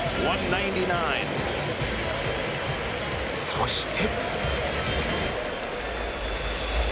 そして。